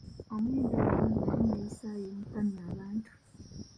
Omuyimbi oyo mulungi naye enneeyisa ye emutamya abantu.